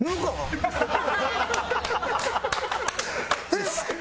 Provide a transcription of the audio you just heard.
えっ！